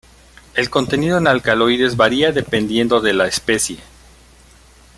El contenido en alcaloides varía dependiendo de la especie.